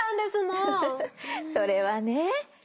それはね。